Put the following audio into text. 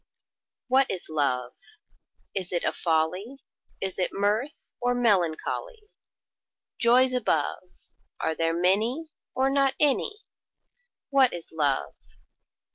WHAT is Love? Is it a folly, Is it mirth, or melancholy? Joys above, Are there many, or not any? What is Love?